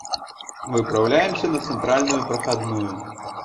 Выпраўляемся на цэнтральную прахадную.